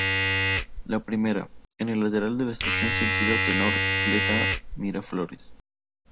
La primera, en el lateral de la estación, sentido Tenor Fleta-Miraflores.